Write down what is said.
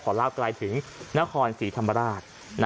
ขอราบกลายถึงนครศรีธรรมดาช